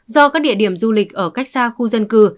do các địa điểm du lịch ở cách xa khu dân cư